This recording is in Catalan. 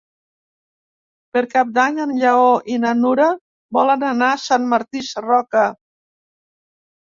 Per Cap d'Any en Lleó i na Nura volen anar a Sant Martí Sarroca.